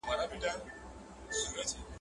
پلار مې هغه وخت په دفتر کې کار کاوه.